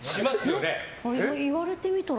言われてみたら。